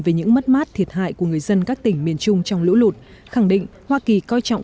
về những mất mát thiệt hại của người dân các tỉnh miền trung trong lũ lụt khẳng định hoa kỳ coi trọng